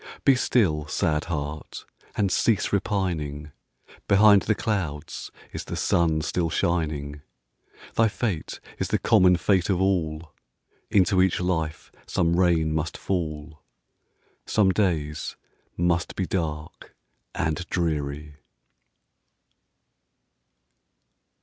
Be still, sad heart! and cease repining; Behind the clouds is the sun still shining; Thy fate is the common fate of all, Into each life some rain must fall, Some days must be dark and dreary.